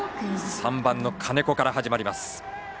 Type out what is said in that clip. ３番の金子から始まります。